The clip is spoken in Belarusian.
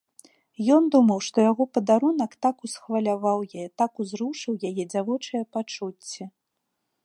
Ён думаў, што яго падарунак так усхваляваў яе, так узрушыў яе дзявочыя пачуцці.